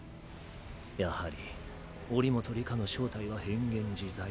やはり祈本里香の正体は変幻自在。